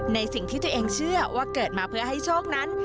ในสิ่งที่ตัวเองเชื่อว่าเกิดมาเพื่อให้โชคนั้น